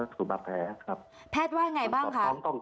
ซึ่ง